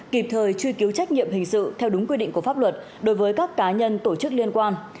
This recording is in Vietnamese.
kịp thời truy cứu trách nhiệm hình sự theo đúng quy định của pháp luật đối với các cá nhân tổ chức liên quan